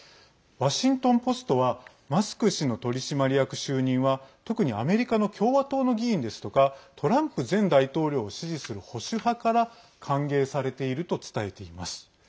ワシントン・ポストはマスク氏の取締役就任は特にアメリカの共和党の議員ですとかトランプ前大統領を支持する保守派から歓迎されていると伝えています。